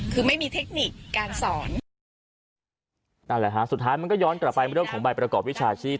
คือไม่มีเทคนิคการสอนนั่นแหละฮะสุดท้ายมันก็ย้อนกลับไปเรื่องของใบประกอบวิชาชีพ